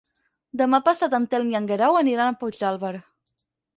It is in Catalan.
Demà passat en Telm i en Guerau aniran a Puigdàlber.